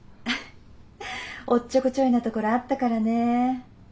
フおっちょこちょいなところあったからね。